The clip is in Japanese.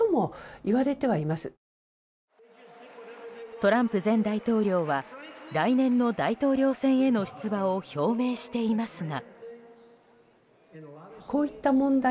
トランプ前大統領は来年の大統領選への出馬を表明していますが。